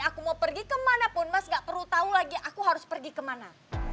aku mau pergi kemana pun mas gak perlu tau lagi aku harus pergi kemana